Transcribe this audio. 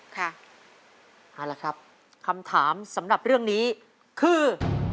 คำถามเสร็จสำหรับเรื่องนี้คือ